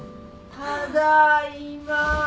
ただいま。